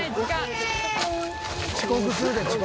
遅刻するで遅刻。